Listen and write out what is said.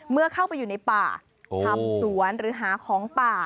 เมื่อเข้าไปอยู่ในป่าทำสวนหรือหาของป่า